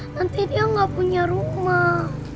nanti dia nggak punya rumah